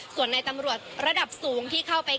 ส่วนในตำรวจระดับสูงที่เข้าไป